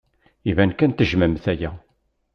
Iban kan tejjmemt aya.